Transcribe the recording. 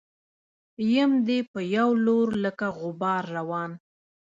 يم دې په يو لور لکه غبار روان